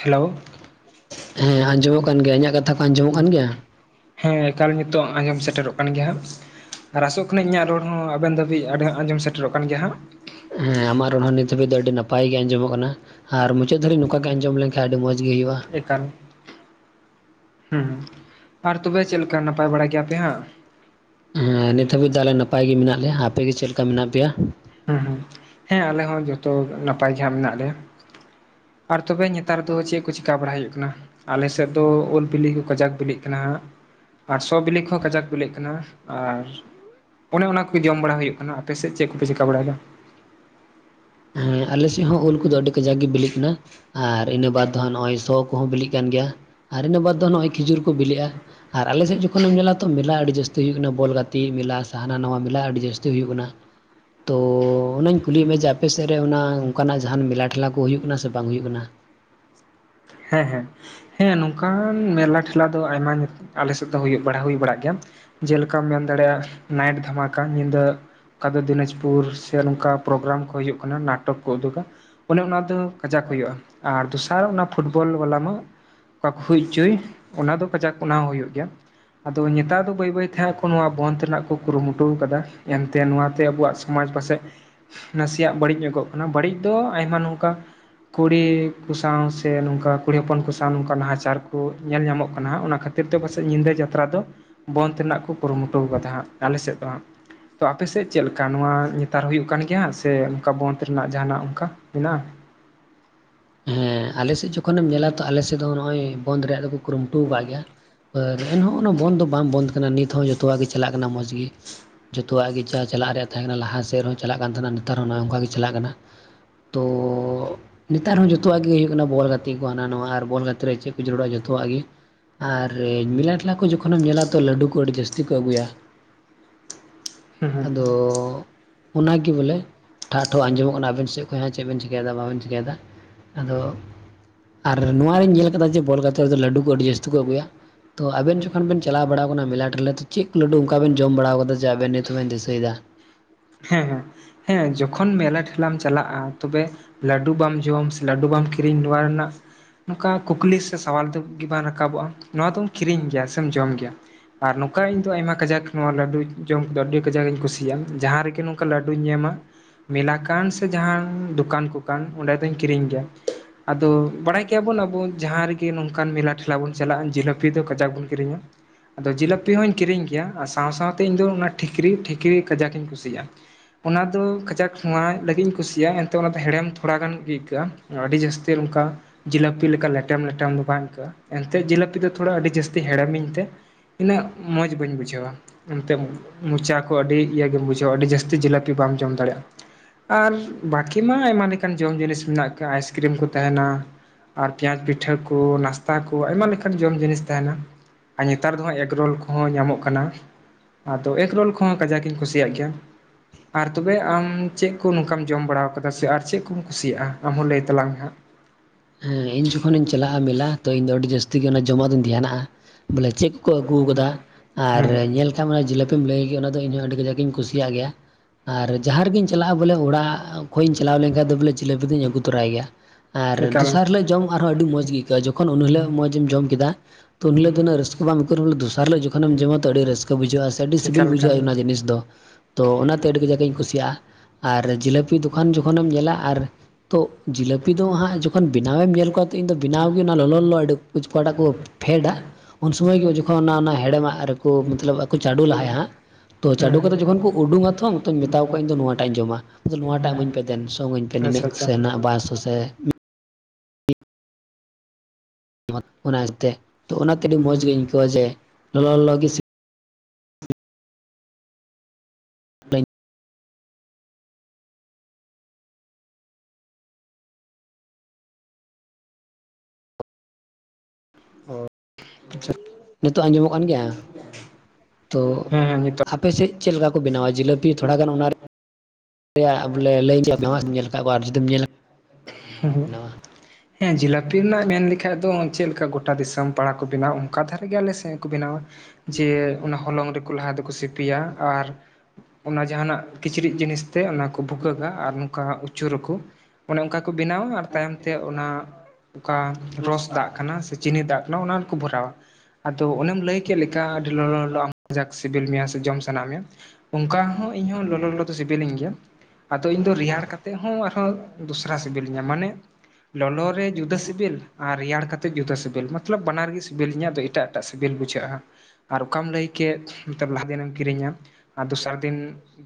Hello ᱦᱮᱸ ᱟᱸᱡᱚᱢᱚᱜ [inaudible] ᱠᱟᱱ ᱜᱮᱭᱟ ᱤᱧᱟᱹᱜ ᱠᱟᱛᱷᱟ ᱠᱚ ᱟᱸᱡᱚᱢᱚᱜ ᱠᱟᱱ ᱜᱮᱭᱟ? ᱦᱮᱸ ᱮᱠᱟᱞ ᱱᱤᱛᱚᱜ ᱟᱸᱡᱚᱢ ᱥᱮᱴᱮᱨᱚᱜ ᱠᱟᱱ ᱜᱮᱭᱟ ᱦᱟᱸᱜ᱾ ᱟᱨ ᱟᱥᱚᱜ ᱠᱟᱱᱟᱧ ᱤᱧᱟᱹᱜ ᱨᱚᱲ ᱦᱚᱸ ᱟᱵᱮᱱ ᱫᱷᱟᱹᱵᱤᱡ ᱟᱸᱡᱚᱢ ᱥᱮᱴᱮᱨᱚᱜ ᱠᱟᱱ ᱜᱮᱭᱟ ᱦᱟᱸᱜ᱾ ᱦᱮᱸ ᱟᱢᱟᱜ ᱨᱚᱲ ᱦᱚᱸ ᱱᱤᱛ ᱦᱟᱹᱵᱤᱡ ᱫᱚ ᱟᱹᱰᱤ ᱱᱟᱯᱟᱭ ᱜᱮ ᱟᱸᱡᱚᱢᱚᱜ ᱠᱟᱱᱟ᱾ ᱟᱨ ᱢᱩᱪᱟᱹᱫ ᱫᱷᱵᱤᱡ ᱱᱚᱝᱠᱟ ᱜᱮ ᱟᱸᱡᱚᱢ ᱞᱮᱱᱠᱟᱱᱡ ᱟᱹᱰᱤ ᱢᱚᱸᱡᱽ ᱜᱮ ᱦᱩᱭᱩᱜᱼᱟ᱾ ᱮᱠᱟᱞ ᱦᱩᱸ ᱟᱨ ᱛᱚᱵᱮ ᱪᱮᱫ ᱞᱮᱠᱟ ᱱᱟᱯᱟᱭ ᱵᱟᱲᱟᱭ ᱜᱮᱭᱟᱯᱮ ᱦᱟᱸᱜ? ᱦᱮᱸ ᱱᱤᱛ ᱦᱟᱹᱵᱤᱡ ᱫᱚ ᱟᱞᱮ ᱱᱟᱯᱟᱭ ᱜᱮ ᱢᱮᱱᱟᱜ ᱞᱮᱭᱟ, ᱟᱯᱮ ᱜᱮ ᱪᱮᱫ ᱞᱮᱠᱟ ᱢᱮᱱᱟᱜ ᱯᱮᱭᱟ? ᱦᱮᱸ ᱦᱮᱸ ᱦᱮᱸ ᱟᱞᱮ ᱦᱚᱸ ᱡᱚᱛᱚ ᱱᱟᱯᱟᱭ ᱜᱮᱦᱟᱸ ᱢᱮᱱᱟᱜ ᱞᱮᱭᱟ᱾ ᱟᱨ ᱛᱚᱵᱮ ᱱᱮᱛᱟᱨ ᱫᱚ ᱪᱮᱫ ᱠᱚ ᱪᱮᱠᱟ ᱵᱟᱲᱟ ᱦᱩᱭᱩᱜ ᱠᱟᱱᱟ? ᱟᱞᱮᱥᱮᱫ ᱫᱚ ᱩᱞ ᱵᱤᱞᱤ ᱠᱚ ᱠᱟᱡᱟᱠ ᱵᱤᱞᱤᱜ ᱠᱟᱱᱟ᱾ ᱟᱨ ᱥᱚ ᱵᱤᱞᱤ ᱠᱚᱦᱚᱸ ᱠᱟᱡᱟᱠ ᱵᱤᱞᱤᱜ ᱠᱟᱱᱟ᱾ ᱟᱨ ᱚᱱᱮ ᱚᱱᱟ ᱠᱚ ᱡᱚᱢ ᱵᱟᱲᱟ ᱦᱩᱭᱩᱜ ᱠᱟᱱᱟ ᱟᱯᱮ ᱥᱮᱫ ᱪᱮᱫ ᱠᱚᱯᱮ ᱪᱤᱠᱟᱹ ᱵᱟᱲᱟᱭᱮᱫᱟ? ᱦᱮᱸ ᱟᱞᱮᱥᱮᱫ ᱦᱚᱸ ᱩᱞ ᱠᱚᱫᱚ ᱟᱹᱰᱤ ᱠᱟᱡᱟᱠ ᱜᱮ ᱵᱤᱞᱤᱜ ᱠᱟᱱᱟ᱾ ᱟᱨ ᱤᱱᱟᱹ ᱵᱟᱫᱽ ᱫᱚ ᱦᱟᱜ ᱱᱚᱜᱼᱚᱭ ᱥᱚ ᱠᱚᱦᱚᱸ ᱵᱤᱞᱤᱜ ᱠᱟᱱ ᱜᱮᱭᱟ᱾ ᱟᱨ ᱤᱱᱟᱹ ᱵᱟᱫᱽ ᱫᱚ ᱱᱚᱜᱼᱚᱭ ᱠᱷᱤᱡᱩᱨ ᱠᱚ ᱵᱤᱞᱤᱜᱼᱟ᱾ ᱟᱨ ᱟᱞᱮ ᱥᱮᱫ ᱡᱚᱠᱷᱚᱱᱮᱢ ᱧᱮᱞᱟ ᱛᱚ ᱢᱮᱞᱟ ᱟᱹᱰᱤ ᱡᱟᱹᱥᱛᱤ ᱦᱩᱭᱩᱜ ᱠᱟᱱᱟ, ᱵᱚᱞ ᱜᱟᱛᱮᱜ ᱢᱮᱞᱟ ᱥᱮ ᱦᱟᱱᱟ ᱱᱟᱣᱟ ᱢᱮᱞᱟ ᱟᱹᱰᱤ ᱡᱟᱹᱥᱛᱤ ᱦᱩᱭᱩᱜ ᱠᱟᱱᱟ᱾ ᱛᱚ ᱚᱱᱟᱧ ᱠᱩᱞᱤᱭᱮᱫ ᱢᱮ ᱡᱮ ᱟᱯᱮ ᱥᱮᱫ ᱨᱮ ᱚᱱᱟ ᱚᱱᱠᱟᱱᱟᱜ ᱡᱟᱦᱟᱱ ᱢᱮᱞᱟ ᱴᱷᱮᱞᱟ ᱠᱚ ᱦᱩᱭᱩᱜ ᱠᱟᱱᱟ ᱥᱮ ᱵᱟᱝ ᱦᱩᱭᱩᱜ ᱠᱟᱱᱟ? ᱦᱮᱸ ᱦᱮᱸ ᱦᱮᱸ ᱱᱚᱝᱠᱟᱱ ᱢᱮᱞᱟ ᱴᱷᱮᱞᱟ ᱫᱚ ᱟᱭᱢᱟ ᱟᱞᱮ ᱥᱮᱫ ᱫᱚ ᱦᱩᱭᱩᱜ ᱵᱟᱲᱟ ᱦᱩᱭ ᱵᱟᱲᱟᱜ ᱜᱮᱭᱟ᱾ ᱡᱮᱞᱮᱠᱟᱢ ᱢᱮᱱ ᱫᱟᱲᱮᱭᱟᱜᱼᱟ ᱱᱟᱭᱤᱴ ᱫᱷᱟᱢᱟᱠᱟ ᱧᱤᱫᱟᱹ᱾ ᱚᱠᱟ ᱫᱚ ᱫᱤᱱᱟᱡᱽᱯᱩᱨ ᱥᱮ ᱱᱚᱝᱠᱟ ᱯᱳᱨᱳᱜᱮᱨᱟᱢ ᱠᱷᱟᱱ ᱠᱚ ᱦᱩᱭᱩᱜ ᱠᱟᱱᱟ ᱱᱟᱴᱚᱠ ᱠᱚ ᱩᱫᱩᱜᱟ᱾ ᱚᱱᱮ ᱚᱱᱟ ᱫᱚ ᱠᱟᱡᱟᱠ ᱦᱩᱭᱩᱜᱼᱟ ᱟᱨ ᱫᱚᱥᱟᱨ ᱚᱱᱟ ᱯᱷᱩᱴᱵᱚᱞ ᱵᱟᱞᱟ ᱢᱟ, ᱚᱠᱟ ᱠᱚ ᱦᱩᱭ ᱚᱪᱚᱭ᱾ ᱚᱱᱟ ᱫᱚ ᱠᱟᱡᱟᱠ ᱚᱱᱟ ᱦᱚᱸ ᱦᱩᱭᱩᱜ ᱜᱮᱭᱟ᱾ ᱟᱫᱚ ᱱᱮᱛᱟᱨ ᱫᱚ ᱵᱟᱹᱭ ᱵᱟᱹᱭ ᱛᱟᱦᱮᱸᱜ ᱟᱠᱚ ᱱᱚᱣᱟ ᱵᱚᱱᱫᱷ ᱨᱮᱱᱟᱜ ᱠᱚ ᱠᱩᱨᱩᱢᱩᱴᱩ ᱟᱠᱟᱫᱟ ᱮᱱᱛᱮ ᱱᱚᱣᱟᱛᱮ ᱟᱵᱩᱣᱟᱜ ᱥᱚᱢᱟᱡ ᱯᱟᱥᱮᱡ ᱱᱟᱥᱮᱭᱟᱜ ᱵᱟᱹᱲᱤᱡ ᱧᱚᱜᱚᱜ ᱠᱟᱱᱟ ᱵᱟᱹᱲᱤᱡ ᱫᱚ ᱟᱭᱢᱟ ᱱᱚᱝᱠᱟ ᱠᱩᱲᱤ ᱠᱚ ᱥᱟᱶ᱾ ᱥᱛ ᱱᱚᱝᱠᱟ ᱠᱩᱲᱤ ᱦᱚᱯᱚᱱ ᱠᱚ ᱥᱟᱶ ᱱᱚᱝᱠᱟ ᱱᱟᱦᱟᱪᱟᱨ ᱠᱚ ᱧᱮᱞ ᱧᱟᱢᱚᱜ ᱠᱟᱱᱟ ᱚᱱᱟ ᱠᱷᱟᱼᱼ ᱛᱤᱨᱛᱚ ᱯᱟᱥᱮᱡ ᱧᱤᱫᱟᱹ ᱡᱟᱛᱨᱟ ᱫᱚ ᱵᱚᱱᱫᱷ ᱨᱮᱱᱟᱜ ᱠᱚ ᱠᱩᱨᱩᱢᱩᱴᱩ ᱠᱟᱫᱟ ᱦᱟᱸᱜ ᱟᱞᱮ ᱥᱮᱫ ᱫᱚᱦᱟᱸᱜ᱾ ᱛᱚ ᱟᱯᱮᱥᱮᱫ ᱪᱮᱫ ᱞᱮᱠᱟ ᱱᱚᱣᱟ ᱱᱮᱛᱟᱨ ᱦᱩᱭᱩᱜ ᱠᱟᱱ ᱜᱮᱭᱟ ᱥᱮ ᱚᱱᱠᱟ ᱵᱚᱱᱫᱷ ᱨᱮᱱᱟᱜ ᱡᱟᱦᱱᱟᱜ ᱚᱱᱠᱟ᱾ ᱦᱮᱱᱟᱜᱻᱟ ᱦᱮᱸ ᱟᱞᱮᱥᱮᱫ ᱡᱚᱠᱷᱚᱱᱮᱢ ᱧᱮᱞᱟ ᱛᱚ ᱟᱞᱮᱥᱮᱫ ᱫᱚ ᱱᱚᱜᱚᱭ ᱵᱚᱱᱫᱷ ᱨᱮᱭᱟᱜ ᱫᱚ ᱠᱩᱨᱩᱢᱴᱩ ᱟᱠᱟᱫ ᱜᱮᱭᱟ᱾ ᱮᱱᱦᱚᱸ ᱚᱱᱟ ᱵᱚᱱᱫᱷ ᱫᱚ ᱵᱟᱝ ᱵᱚᱱᱫᱷ ᱠᱟᱱᱟ ᱱᱤᱛ ᱦᱚᱸ ᱡᱚᱛᱚᱣᱟᱜ ᱜᱮ ᱪᱟᱞᱟᱜ ᱠᱟᱱᱟ ᱢᱚᱸᱡᱽ ᱜᱮ᱾ ᱡᱚᱛᱚᱣᱟᱜ ᱜᱮ ᱡᱟ ᱪᱟᱞᱟᱜ ᱨᱮᱭᱟᱜ ᱛᱟᱸᱦᱮ ᱠᱟᱱᱟ ᱞᱟᱦᱟ ᱥᱮᱫ ᱨᱮᱸᱦᱚ ᱪᱟᱞᱟᱜ ᱠᱟᱱ ᱛᱟᱦᱮᱱᱟ ᱱᱮᱛᱟᱨ ᱦᱚᱸ ᱱᱚᱭ ᱚᱱᱠᱟᱜᱮ ᱪᱟᱞᱟᱜ ᱠᱟᱱᱟ᱾ ᱛᱳ ᱱᱮᱛᱟᱨ ᱦᱚᱸ ᱡᱷᱚᱛᱚᱣᱟᱜ ᱜᱮ ᱦᱩᱭᱩᱜ ᱠᱟᱱᱟ ᱵᱚᱞ ᱜᱟᱛᱮ ᱠᱚ ᱦᱟᱱᱟ ᱱᱚᱣᱟ ᱟᱨ ᱵᱚᱞ ᱜᱟᱛᱮᱜ ᱨᱮ ᱪᱮᱫ ᱠᱚ ᱡᱟᱹᱨᱩᱲᱟᱼᱟ ᱡᱚᱛᱚᱣᱟᱜ ᱜᱮ᱾ ᱟᱨ ᱢᱮᱞᱟ ᱴᱷᱮᱞᱟ ᱠᱚ ᱡᱚᱠᱷᱚᱱᱮᱢ ᱧᱮᱞᱟ ᱛᱚ ᱞᱟᱹᱰᱩ ᱠᱚ ᱟᱹᱰᱤ ᱡᱟᱹᱥᱛᱤ ᱠᱚ ᱟᱹᱜᱩᱭᱟ᱾ ᱦᱩᱸ ᱦᱩᱸ ᱟᱫᱚ ᱚᱱᱟᱜᱮ ᱵᱚᱞᱮ ᱴᱟᱜ ᱴᱚᱜ ᱟᱸᱡᱚᱢᱚᱜ ᱠᱟᱱᱟ ᱟᱵᱮᱱ ᱥᱮᱡ᱾ ᱦᱮᱸ ᱵᱮᱱ ᱪᱮᱠᱟᱹᱭᱟ ᱵᱟᱵᱮᱱ ᱪᱤᱠᱟᱹᱭᱮᱫᱟ᱾ ᱟᱫᱚ ᱟᱨ ᱱᱚᱣᱟᱨᱤᱧ ᱧᱮᱞ ᱠᱟᱫᱟ ᱡᱮ ᱵᱚᱞ ᱜᱟᱛᱮ ᱨᱮᱫᱚ ᱞᱟᱹᱰᱩ ᱠᱚ ᱟᱹᱰᱤ ᱡᱟᱹᱥᱛᱤ ᱠᱚ ᱟᱹᱜᱩᱭᱟ᱾ ᱛᱚ ᱟᱵᱮᱱ ᱡᱚᱠᱷᱚᱱ ᱵᱮᱱ ᱪᱟᱞᱟᱣ ᱵᱟᱲᱟ ᱟᱠᱟᱱᱟ ᱢᱮᱞᱟ ᱴᱷᱮᱞᱟ ᱨᱮ ᱛᱚ ᱪᱮᱫ ᱞᱟᱹᱰᱩ ᱚᱱᱠᱟ ᱵᱮᱱ ᱡᱚᱢ ᱵᱟᱲᱟ ᱟᱠᱟᱫᱟ ᱡᱮ ᱟᱵᱮᱱ ᱱᱤᱛ ᱦᱚᱸᱵᱮᱱ ᱫᱤᱥᱟᱹᱭᱮᱫᱟ᱾ ᱦᱮᱸ ᱦᱮᱸ ᱦᱮᱸ ᱡᱚᱠᱷᱚᱱ ᱢᱮᱞᱟ ᱴᱷᱮᱞᱟᱢ ᱪᱟᱞᱟᱜᱼᱟ ᱛᱚᱵᱮ᱾ ᱞᱟᱹᱰᱩ ᱵᱟᱢ ᱡᱚᱢ ᱥᱮ ᱞᱟᱹᱰᱩ ᱵᱟᱢ ᱠᱤᱨᱤᱧ ᱱᱚᱣᱟ ᱨᱮᱱᱟᱜ᱾ ᱱᱚᱝᱠᱟ ᱠᱩᱠᱞᱤ ᱥᱮ ᱥᱟᱣᱟᱞ ᱫᱚ ᱜᱮ ᱵᱟᱝ ᱨᱟᱠᱟᱵᱚᱜᱼᱟ ᱱᱚᱣᱟ ᱫᱚᱢ ᱠᱤᱨᱤᱧ ᱜᱮᱭᱟ ᱥᱮᱢ ᱡᱚᱢ ᱜᱮᱭᱟ᱾ ᱟᱨ ᱱᱚᱝᱠᱟ ᱤᱧ ᱫᱚ ᱟᱭᱢᱟ ᱠᱟᱡᱟᱠ ᱱᱚᱣᱟ ᱞᱟᱹᱰᱩ ᱡᱚᱢ᱾ ᱫᱚ ᱟᱹᱰᱤ ᱠᱟᱡᱟᱠ ᱤᱧ ᱠᱩᱥᱤᱭᱟᱜᱼᱟ ᱡᱟᱦᱟᱸ ᱨᱮᱜᱮ ᱱᱚᱝᱠᱟ ᱞᱟᱹᱰᱩᱧ ᱧᱟᱢᱟ᱾ ᱢᱮᱞᱟ ᱠᱟᱱ ᱥᱮ ᱡᱟᱸᱦᱟ ᱫᱚᱠᱟᱱ ᱠᱚ ᱠᱟᱱ ᱚᱸᱰᱮ ᱫᱚᱧ ᱠᱤᱨᱤᱧ ᱜᱮᱭᱟ ᱟᱫᱚ᱾ ᱠᱮᱭᱟᱵᱚᱱ ᱟᱵᱚ ᱡᱟᱦᱟᱸ ᱨᱮᱜᱮ ᱱᱚᱝᱠᱟᱱ ᱢᱮᱞᱟ ᱴᱮᱞᱟ ᱵᱚᱱ ᱪᱟᱞᱟᱜᱼᱟ ᱡᱷᱤᱞᱟᱹᱯᱤ ᱫᱚ ᱠᱟᱡᱟᱠ ᱵᱚᱱ ᱠᱤᱨᱤᱧᱟ᱾ ᱟᱫᱚ ᱡᱤᱞᱟᱹᱯᱤ ᱦᱚᱸᱧ ᱠᱤᱨᱤᱧ ᱜᱮᱭᱟ᱾ ᱥᱟᱶ ᱥᱟᱶᱛᱮ ᱤᱧ ᱫᱚ ᱚᱱᱟ ᱴᱷᱤᱠᱨᱤ ᱴᱷᱠᱨᱤ ᱠᱟᱡᱟᱠ ᱤᱧ ᱠᱩᱥᱤᱭᱟᱜᱼᱟ᱾ ᱚᱱᱟ ᱫᱚ ᱠᱟᱡᱟᱠ ᱱᱚᱣᱟ ᱞᱟᱹᱜᱤᱫ ᱤᱧ ᱠᱩᱥᱤᱭᱼᱟ ᱮᱱᱛᱮ ᱚᱱᱟ ᱫᱚ ᱦᱮᱲᱮᱢ᱾ ᱛᱷᱚᱲᱟ ᱜᱟᱱ ᱜᱮ ᱟᱹᱭᱠᱟᱹᱜᱼᱟ ᱟᱹᱰᱤ ᱡᱟᱹᱥᱛᱤ ᱚᱱᱠᱟ᱾ ᱡᱤᱞᱟ. ᱯᱤ ᱞᱮᱠᱟ ᱞᱮᱴᱢ ᱞᱮᱴᱢ ᱫᱚ ᱵᱟᱝ ᱛᱚ ᱮᱱᱛᱮᱜ ᱡᱤᱞᱟ. ᱯᱤ ᱫᱚ ᱛᱷᱚᱲᱟ ᱟᱹᱰᱤ ᱡᱟᱹᱥᱼᱼ ᱛᱤ ᱦᱮᱲᱮᱢᱤᱧ ᱛᱮ ᱩᱱᱟᱹᱜ ᱢᱚᱡᱽ ᱵᱟᱹᱧ ᱵᱩᱡᱷᱟᱹᱣᱟ ᱮᱱᱛᱮ᱾ ᱢᱚᱪᱟ ᱠᱚ ᱟᱹᱰᱤ ᱤᱭᱟᱹᱟᱹᱜᱮᱢ ᱵᱩᱡᱷᱟᱹᱣᱟ ᱟᱹᱰᱤ ᱡᱟᱹᱥᱛᱤ ᱡᱤᱞᱟᱹᱯᱤ ᱵᱟᱢ ᱡᱚᱢ ᱫᱟᱲᱮᱭᱟᱜᱼᱟ᱾ ᱟᱨ ᱵᱟᱹᱠᱤ ᱢᱟ ᱟᱭᱢᱟ ᱞᱮᱠᱟᱱ ᱡᱚᱢ ᱡᱤᱱᱤᱥ ᱢᱮᱱᱟᱜ ᱟᱠᱟᱫ ᱟᱭᱤᱥᱠᱨᱤᱢ ᱠᱚ ᱛᱟᱦᱮᱱᱟ᱾ ᱟᱨ ᱯᱮᱸᱭᱟᱡᱽ ᱯᱤᱴᱷᱟᱹ ᱠᱚ ᱱᱟᱥᱛᱟ ᱠᱚ ᱟᱭᱢᱟ ᱞᱮᱠᱟᱱ ᱡᱚᱢ ᱡᱤᱱᱤᱥ ᱛᱟᱦᱮᱱᱟ᱾ ᱟᱨ ᱱᱮᱛᱟᱨ ᱫᱚ ᱦᱟᱸᱜ ᱮᱜᱽᱨᱳᱞ ᱠᱚᱦᱚᱸ ᱧᱟᱢᱚᱜ ᱠᱟᱱᱟ ᱟᱫᱚ ᱮᱜᱽᱨᱳᱞ ᱠᱚᱦᱚᱸ ᱠᱟᱡᱟᱠ ᱤᱧ ᱠᱩᱥᱤᱭᱟᱜ ᱜᱮᱭᱟ᱾ ᱟᱨ ᱛᱚᱵᱮ ᱟᱢ ᱪᱮᱫ ᱠᱚ ᱱᱚᱝᱠᱟᱢ ᱡᱚᱢ ᱵᱟᱲᱟ ᱠᱟᱫᱟ ᱥᱮ ᱟᱨ ᱪᱮᱫ ᱠᱚᱢ ᱠᱩᱥᱤᱭᱟᱜᱼᱟ ᱟᱢᱦᱚᱸ ᱞᱟᱹᱭ ᱛᱟᱞᱟᱝ ᱢᱮ ᱦᱟᱸᱜ᱾ ᱦᱮᱸ ᱤᱧ ᱡᱚᱠᱷᱚᱱᱤᱧ ᱪᱟᱞᱟᱜᱼᱟ ᱢᱮᱞᱟ ᱛᱚ ᱤᱧ ᱫᱚ ᱟᱹᱰᱤ ᱡᱟᱹᱥᱛᱤ ᱜᱮ ᱡᱚᱢᱟᱜ ᱫᱚᱧ ᱫᱷᱮᱱᱟᱜᱼᱟ᱾ ᱵᱚᱞᱮ ᱪᱮᱫ ᱠᱚ ᱠᱚ ᱟᱹᱜᱩᱣᱠᱟᱫᱟ ᱟᱨ ᱦᱩᱸ ᱧᱮᱞ ᱠᱷᱟᱢ ᱚᱱᱮ ᱡᱤᱞᱟᱹᱯᱤ ᱞᱟᱹᱭ ᱜᱮ ᱚᱱᱟ ᱫᱚ ᱤᱧᱦᱚᱸ ᱟᱹᱰᱤᱼᱼ ᱠᱟᱡᱟᱠ ᱤᱧ ᱠᱩᱥᱤᱭᱟ ᱜᱮᱭᱟ ᱟᱨ ᱡᱟᱸᱦᱟ ᱨᱮᱜᱤᱧ ᱪᱟᱞᱟᱜᱼᱟ ᱵᱚᱞᱮ ᱚᱲᱟᱜ ᱠᱷᱚᱱ ᱤᱧ ᱪᱟᱞᱟᱣ ᱞᱮᱱᱠᱷᱟᱱᱡ ᱫᱚ ᱵᱚᱞᱮ᱾ ᱪᱤᱞᱟᱹᱯᱤ ᱫᱩᱧ ᱟᱹᱜᱩ ᱛᱚᱨᱟᱭ ᱜᱮᱭᱟ᱾ ᱟᱨ ᱮᱠᱟᱞ ᱫᱚᱥᱟᱨ ᱦᱤᱞᱳᱜ ᱡᱚᱢ ᱟᱨᱦᱚᱸ ᱟᱹᱰᱤ ᱢᱚᱸᱡᱽ ᱜᱮ ᱟᱹᱭᱠᱟᱹᱜᱼᱟ ᱡᱚᱠᱷᱚᱱ ᱩᱱ ᱦᱤᱞᱳᱜ ᱢᱚᱸᱡᱽ ᱮᱢ ᱡᱚᱢ ᱠᱮᱫᱟ᱾ ᱛᱚ ᱩᱱ ᱦᱤᱞᱳ ᱫᱚ ᱩᱱᱟ. ᱜ ᱨᱟᱹᱥᱠᱟᱹ ᱵᱟᱢ ᱟᱹᱭᱠᱟ. ᱣ ᱫᱚᱥᱟᱨ ᱦᱤᱞᱳᱜ ᱡᱚᱠᱷᱚᱱᱮᱢ ᱡᱚᱢᱟ ᱛᱚ ᱟᱹᱰᱤ ᱨᱟᱹᱥᱟᱹ ᱵᱩᱡᱷᱟ. ᱜᱼᱟ ᱥᱮ ᱼᱼ ᱟᱹᱰᱤ ᱮᱠᱟᱞ ᱥᱤᱵᱤᱞ ᱮᱠᱟᱞ ᱵᱩᱡᱷᱟᱹᱜᱼᱟ ᱩᱱᱟ ᱡᱤᱱᱤᱥ ᱫᱚ ᱛᱚ ᱚᱱᱟᱛᱮ ᱟᱹᱰᱤ ᱠᱟᱡᱟᱠ ᱤᱧ ᱠᱩᱥᱤᱭᱟᱜᱼᱟ᱾ ᱟᱨ ᱡᱷᱤᱞᱟᱹᱯᱤ ᱫᱚᱠᱟᱱ ᱡᱚᱠᱷᱚᱱᱮᱢ ᱧᱮᱞᱟ ᱟᱨ᱾ ᱛᱚ ᱡᱤᱞᱟᱹᱯᱤ ᱫᱚ ᱦᱟᱸᱜ ᱡᱚᱠᱷᱚᱱ ᱵᱮᱱᱟᱣᱮᱢ ᱧᱮᱞ ᱠᱚᱣᱟ ᱛᱚ ᱤᱧ ᱫᱚ ᱵᱮᱱᱟᱣ ᱜᱮ ᱚᱱᱟ ᱞᱚᱞᱚ ᱞᱚ ᱟᱹᱰᱤ ᱯᱩᱪᱯᱟᱰᱟ ᱠᱚ᱾ ᱯᱷᱮᱰᱟ ᱩᱱ ᱥᱚᱢᱚᱭ ᱜᱮ ᱡᱚᱠᱷᱚᱱ ᱚᱱᱟ ᱚᱱᱟ ᱦᱮᱲᱮᱢᱟᱜ ᱟᱨᱠᱚ ᱢᱚᱛᱞᱚᱵ ᱟᱠᱚᱼᱼ ᱪᱟᱰᱳ ᱞᱟᱦᱟᱭᱟ ᱦᱟᱸᱜ ᱛᱚ ᱪᱟᱰᱳ ᱠᱟᱛᱮᱫ ᱦᱩᱸ ᱡᱚᱠᱷᱚᱱ ᱠᱚ ᱩᱰᱩᱝ ᱟᱛ ᱛᱚᱧ ᱢᱮᱛᱣᱟ ᱠᱚᱣᱟ ᱤᱧ ᱫᱚ ᱱᱚᱣᱟᱴᱟᱜ ᱤᱧ ᱡᱚᱢᱟ᱾ ᱱᱚᱣᱟᱴᱟᱜ ᱤᱢᱟᱹᱧ ᱯᱮ ᱫᱮᱱ ᱥᱚᱝ ᱟᱹᱧ ᱯᱮ ᱱᱤᱱᱟᱹᱜ ᱟᱪᱪᱷᱟ ᱟᱪᱪᱷᱟ ᱥᱮ ᱩᱱᱟ. ᱜ ᱵᱟᱝᱥᱚ ᱥᱮ᱾ [inaudible] ᱚᱱᱟ ᱦᱤᱥᱟᱹᱵᱽ ᱛᱮ, ᱛᱚ ᱚᱱᱟᱛᱮᱧ ᱢᱚᱸᱡᱽ ᱜᱤᱧ ᱟᱹᱭᱠᱟᱹᱣᱟ ᱡᱮ, ᱞᱚᱞᱚ ᱜᱤ ᱥᱤ ᱥᱤᱵᱤᱞᱟᱹᱧ ᱚ ᱟᱪᱪᱷᱟ [inaudible] ᱱᱤᱛᱚᱜ ᱟᱸᱡᱚᱢᱚᱜ ᱠᱟᱱ ᱜᱮᱭᱟ? ᱛᱚ ᱦᱮᱸ ᱦᱮᱸ ᱱᱤᱛᱚᱜ ᱟᱯᱮ ᱥᱮᱡ ᱪᱮᱫ ᱞᱮᱠᱟ ᱠᱚ ᱵᱮᱱᱟᱣᱟ ᱡᱤᱞᱟᱹᱯᱤ ᱛᱷᱚᱲᱟ ᱜᱟᱱ ᱚᱱᱟ ᱨᱮ [unintelligible] ᱵᱚᱞᱮ ᱞᱟᱹᱭ [inaudible] ᱪᱮᱜᱠᱟ ᱠᱚ ᱵᱮᱱᱟᱣᱟ ᱡᱩᱫᱤᱢ ᱧᱮᱞ ᱠᱟᱜ ᱠᱚᱣᱟ ᱟᱨ ᱡᱩᱫᱤᱢ ᱧᱮᱞ ᱦᱩᱸ [inaudible] ᱦᱩᱸ ᱵᱮᱱᱟᱣᱟ? ᱦᱮᱸ ᱡᱤᱞᱟᱯᱤ ᱨᱮᱱᱟᱜ ᱢᱮᱱ ᱞᱮᱠᱷᱟᱡ ᱫᱚ ᱪᱮᱫ ᱞᱮᱠᱟ ᱜᱚᱴᱟ ᱫᱤᱥᱚᱢ ᱯᱟᱲᱟ ᱠᱚ ᱵᱮᱱᱟᱣ ᱚᱝᱠᱟ ᱫᱷᱟᱨᱟ ᱜᱮ ᱟᱞᱮ ᱥᱮᱫ ᱦᱚᱸᱠᱚ ᱵᱮᱱᱟᱣᱟ᱾ ᱡᱮ ᱚᱱᱟ ᱦᱚᱞᱚᱝ ᱨᱮᱠᱚ ᱞᱟᱦᱟ ᱫᱚᱠᱚ ᱥᱤᱯᱤᱭᱟ ᱟᱨ, ᱚᱱᱟ ᱡᱟᱦᱟᱸᱱᱟᱜ ᱠᱤᱪᱤᱨᱤᱡ ᱡᱤᱱᱤᱥ ᱛᱮ ᱚᱱᱟ ᱠᱚ ᱵᱷᱩᱜᱟᱹᱜᱟ ᱟᱨ ᱱᱚᱝᱠᱟ ᱩᱹᱪᱩᱨᱟᱠᱩ, ᱚᱱᱮ ᱚᱝᱠᱟ ᱠᱚ ᱵᱮᱱᱟᱣᱟ ᱟᱨ ᱛᱟᱭᱚᱢ ᱛᱮ ᱚᱱᱟ ᱚᱠᱟ ᱨᱚᱥ ᱫᱟᱜ ᱠᱟᱱᱟ ᱥᱮ ᱪᱤᱱᱤ ᱫᱟᱜ ᱠᱟᱱᱟ ᱚᱱᱟ ᱨᱮᱠᱚ ᱵᱷᱚᱨᱟᱣᱟ᱾ ᱟᱫᱚ ᱚᱱᱮᱢ ᱞᱟᱹᱭ ᱠᱮᱫ ᱞᱮᱠᱟ ᱟᱹᱰᱤ ᱞᱚᱞᱚ ᱟᱢ ᱠᱟᱡᱟᱠ ᱥᱤᱵᱤᱞ ᱢᱮᱭᱟ ᱥᱮ ᱡᱚᱢ ᱥᱟᱱᱟ ᱢᱮᱭᱟ, ᱚᱝᱠᱟ ᱦᱚᱸ ᱤᱧ ᱦᱚᱸ ᱞᱚᱞᱚ ᱞᱚᱞᱚ ᱫᱚ ᱥᱤᱵᱤᱞᱤᱧ ᱜᱮᱭᱟ, ᱟᱫᱚ ᱤᱧ ᱫᱚ ᱨᱮᱭᱟᱲ ᱠᱟᱼᱼ ᱛᱮ ᱦᱚᱸ ᱟᱨᱦᱚᱸ ᱫᱚᱥᱨᱟ ᱥᱤᱵᱤᱞᱤᱧᱟ ᱢᱟᱱᱮ ᱞᱚᱞᱚ ᱨᱮ ᱡᱩᱫᱟᱹ ᱥᱤᱵᱤᱞ ᱟᱨ ᱨᱮᱭᱟᱲ ᱠᱟᱛᱮᱫ ᱡᱩᱫᱟᱹ ᱥᱤᱵᱤᱞ ᱢᱟᱛᱞᱟᱵᱽ ᱵᱟᱱᱟᱨ ᱜᱮ ᱥᱤᱵᱤᱞᱤᱧᱟ ᱫᱚ ᱮᱴᱟᱜᱼᱼ ᱮᱴᱟᱜ ᱥᱤᱵᱤᱞ ᱵᱩᱡᱷᱟᱹᱜᱼᱟ, ᱟᱨ ᱚᱠᱟᱢ ᱞᱟᱹᱭ ᱠᱮᱫ ᱱᱮᱛᱟᱨ ᱞᱟᱦᱟ ᱫᱤᱱᱮᱢ ᱠᱤᱨᱤᱧᱟ ᱟᱨ ᱫᱚᱥᱟᱨ ᱫᱤᱱ